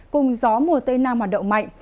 cùng gió mùa tây nam hoạt động mạnh